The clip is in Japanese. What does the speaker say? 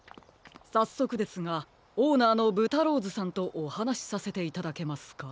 さっそくですがオーナーのぶたローズさんとおはなしさせていただけますか？